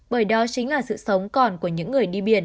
bởi đó chính là sự sống còn của những người đi biển